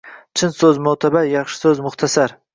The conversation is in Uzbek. Chin so'z mo'tabar, Yaxshi so'z muxtasar.